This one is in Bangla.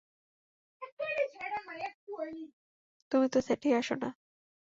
তুমি তো সেটেই আসোনা।